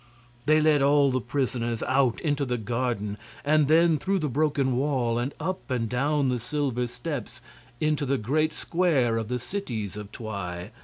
They led all the prisoners out into the garden and then through the broken wall, and up and down the silver steps, into the great square of the cities of Twi.